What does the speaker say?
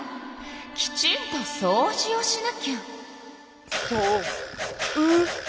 きちんとそうじをしなきゃ。